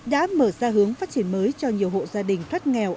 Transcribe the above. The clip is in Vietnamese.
đã mở ra hướng phát triển mới cho nhiều hộ gia đình thoát nghèo